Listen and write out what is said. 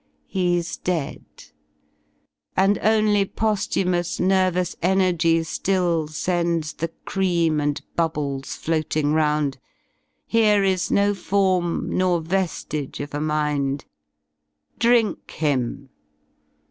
he's dead; And only poSlhumous nervous energy Still sends the cream, and bubbles floating round. Here is no form, nor veilige of a mind. Drink him!